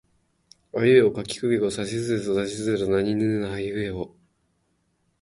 あいうえおかきくけこさしすせそたちつてとなにぬねのはひふへほ